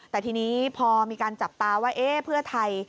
แต่ทีนี้พอมีการจับตาว่าเพื่อไทย